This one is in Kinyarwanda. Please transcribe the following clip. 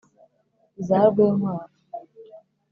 iza rwinkwavu;